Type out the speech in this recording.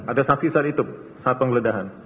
ada saksi saat itu saat penggeledahan